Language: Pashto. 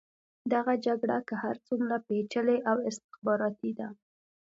دغه جګړه که هر څومره پېچلې او استخباراتي ده.